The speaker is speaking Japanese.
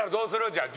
じゃあ。